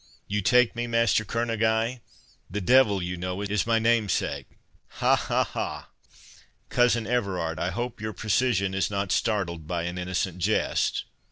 You take me, Master Kerneguy—the devil, you know, is my namesake—ha—ha—ha!—Cousin Everard, I hope your precision is not startled by an innocent jest?"